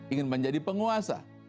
ingin menjadi penguasa